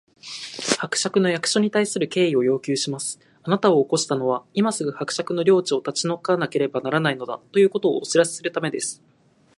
「伯爵の役所に対する敬意を要求します！あなたを起こしたのは、今すぐ伯爵の領地を立ち退かなければならないのだ、ということをお知らせするためです」